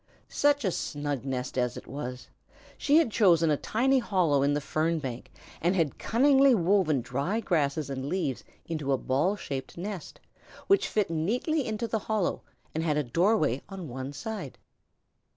Such a snug nest as it was! She had chosen a tiny hollow in the fern bank and had cunningly woven dry grasses and leaves into a ball shaped nest, which fitted neatly into the hollow and had a doorway on one side.